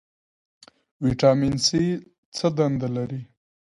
ویټامین سي څه دنده لري؟